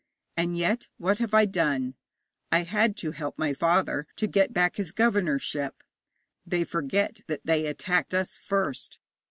And yet what have I done? I had to help my father to get back his governorship. They forget that they attacked us first.'